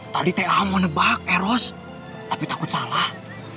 tadi t a mau nebak eros tapi takut salah